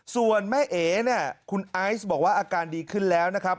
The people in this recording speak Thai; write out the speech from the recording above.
ส่วนแม่เอ๋เนี่ยคุณไอซ์บอกว่าอาการดีขึ้นแล้วนะครับ